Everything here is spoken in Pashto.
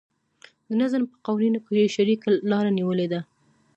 د نظم په قوانینو کې یې شریکه لاره نیولې ده.